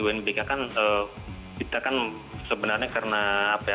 unbk kan sebenarnya karena apa ya